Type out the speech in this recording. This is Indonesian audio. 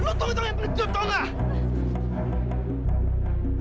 lo tuh yang penutup tahu gak